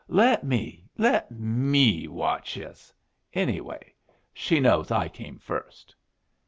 Let me let me watch yus. Anyway, she knows I came first!"